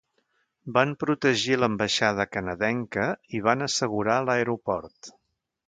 Van protegir l'ambaixada canadenca i van assegurar l'aeroport.